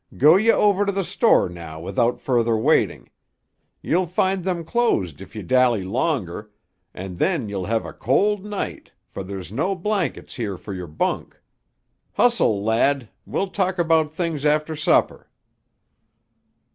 Go ye over to the store now without further waiting. Ye'll find them closed if ye dally longer; and then ye'll have a cold night, for there's no blankets here for your bunk. Hustle, lad; we'll talk about things after supper."